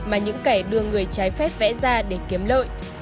mà những kẻ đưa người trái phép vẽ ra để kiếm lợi